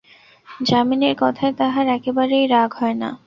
যামিনীর কথায় তাহার একেবারেই রাগ হয় না।